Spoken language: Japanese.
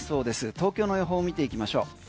東京の予報を見ていきましょう。